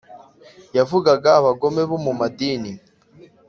Yavugaga abagome bo mu madini.